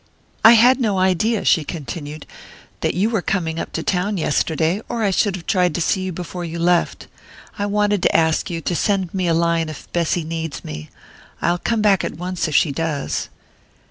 "I had no idea," she continued, "that you were coming up to town yesterday, or I should have tried to see you before you left. I wanted to ask you to send me a line if Bessy needs me I'll come back at once if she does."